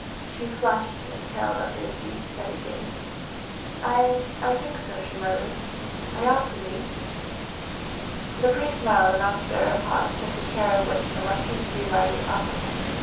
She flushed and paled under his deep, steady gaze. "I I think so!" she murmured "I ought to be!" The priest smiled and after a pause took the chair which the Marchese Rivardi offered him.